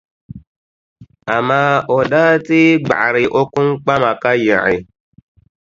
Amaa o daa tee gbaɣiri o kpuŋkpama ka yiɣi.